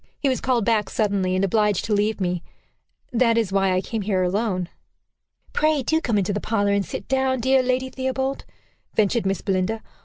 He was called back suddenly, and obliged to leave me. That is why I came here alone." "Pray do come into the parlor, and sit down, dear Lady Theobald," ventured Miss Belinda.